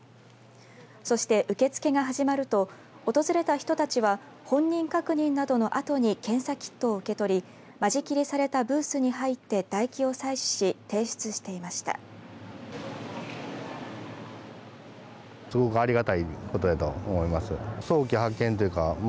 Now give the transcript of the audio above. そして、受け付けが始まると訪れた人たちは本人確認などのあとに検査キットを受け取り間仕切りされたブースに入って唾液を採取し提出していました。